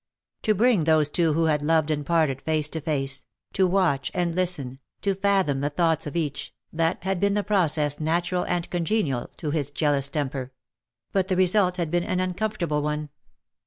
To bring those two who had loved and parted face to face, to watch and listen, to fathom the thoughts of each — that had been the process natural and congenial to his jealous temper; but the result had been an uncomfortable one.